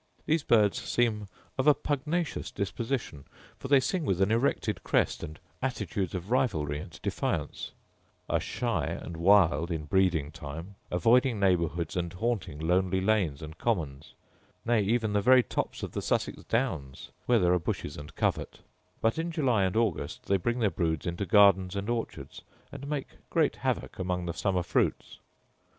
These birds seem of a pugnacious disposition; for they sing with an erected crest and attitudes of rivalry and defiance; are shy and wild in breeding time, avoiding neighbourhoods, and haunting lonely lanes and commons; nay even the very tops of the Sussex downs, where there are bushes and covert; but in July and August they bring their broods into gardens and orchards, and make great havoc among the summer fruits.